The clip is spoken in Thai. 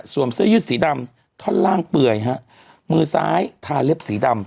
เสื้อยืดสีดำท่อนล่างเปื่อยฮะมือซ้ายทาเล็บสีดำ